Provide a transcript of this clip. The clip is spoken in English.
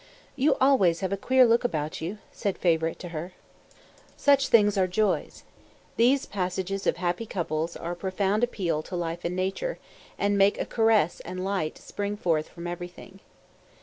"You always have a queer look about you," said Favourite to her. Such things are joys. These passages of happy couples are a profound appeal to life and nature, and make a caress and light spring forth from everything.